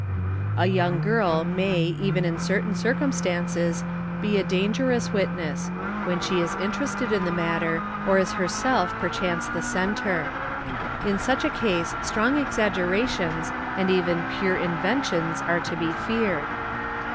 A young girl may even in certain circumstances be a dangerous witness, when she is interested in the matter or is herself perchance the centre. In such a case strong exaggerations and even pure inven tions are to be feared.